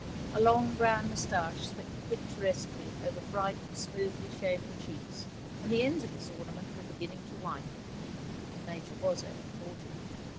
A long brown moustache swept picturesquely over bright, smoothly shaven cheeks, and the ends of this ornament were beginning to whiten. The Major was over forty.